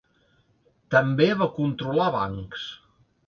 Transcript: També va controlar bancs.